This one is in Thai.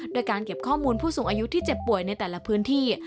โดยการเก็บข้อมูลผู้สูงอายุที่เจ็บป่วยในแต่ละพื้นที่